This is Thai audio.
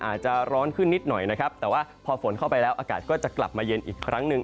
อาจจะร้อนขึ้นนิดหน่อยนะครับแต่ว่าพอฝนเข้าไปแล้วอากาศก็จะกลับมาเย็นอีกครั้งหนึ่ง